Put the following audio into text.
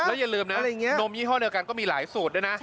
อย่าลืมนะนมยี่ห้อเดียวกันก็มีหลายสูตรด้วยนะ